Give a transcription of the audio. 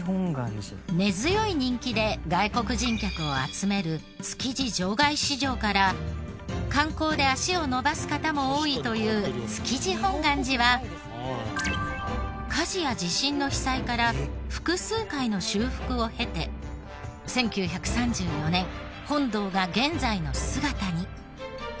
根強い人気で外国人客を集める築地場外市場から観光で足を延ばす方も多いという築地本願寺は火事や地震の被災から複数回の修復を経て１９３４年本堂が現在の姿に。